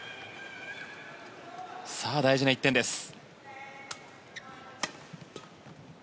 大事な１点です。